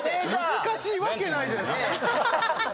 難しいわけないじゃない。